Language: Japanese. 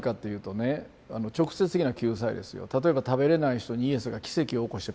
例えば食べれない人にイエスが奇跡を起こしてパンを配ったとかね。